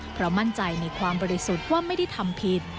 เพราะมั่นใจในความบริสุทธิ์ว่าไม่ได้ทำผิด